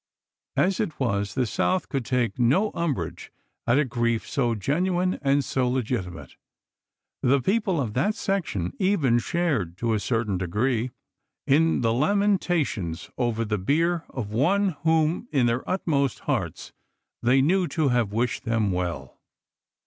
As it was, the South could take no umbrage at a grief so genuine and so legitimate ; the people of that section even shared, to a certain degree, in the lamentations over the bier of one whom in their inmost hearts they knew to have wished them well.